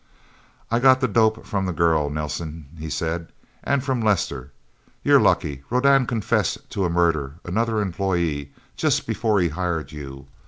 "I got the dope from the girl, Nelsen," he said. "And from Lester. You're lucky. Rodan confessed to a murder another employee just before he hired you.